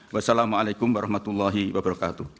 wassalamu alaikum warahmatullahi wabarakatuh